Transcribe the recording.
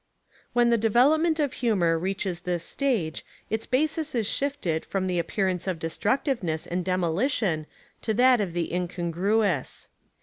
When the development of humour reaches this stage its basis is shifted from the appear ance of destructiveness and demolition to that of the incongruous.